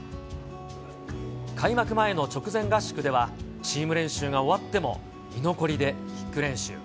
開幕前の直前合宿では、チーム練習が終わっても、居残りでキック練習。